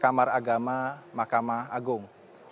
kamar agama mahkamah agung